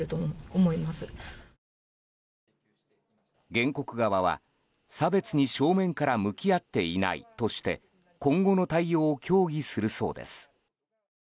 原告側は差別に正面から向き合っていないとして今後の対応を協議するそうです。